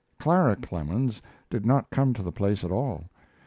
Clara Clemens did not come to the place at all.